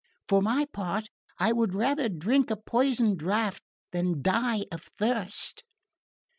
For my part I would rather drink a poisoned draught than die of thirst."